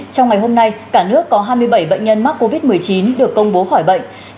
trong ngày hôm nay cả nước có hai mươi bảy bệnh nhân mắc covid một mươi chín được công bố khỏi bệnh